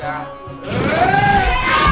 ambil teko dong